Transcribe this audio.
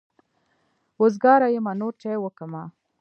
وزګاره يمه نور چای وکمه.